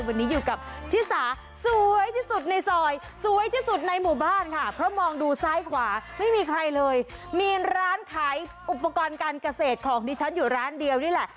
วันนี้อยู่กับชิสาสวยที่สุดในซอยสวยที่สุดในหมู่บ้านค่ะเพราะมองดูซ้ายขวาไม่มีใครเลยมีร้านขายอุปกรณ์การเกษตรของดิฉันอยู่ร้านเดียวนี่แหละ